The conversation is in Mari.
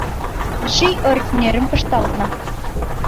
Ший ӧртньӧрым пыштална.